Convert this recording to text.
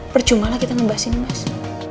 perjumahlah kita ngebahas ini mas